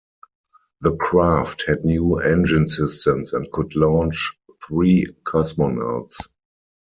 The craft had new engine systems and could launch three cosmonauts.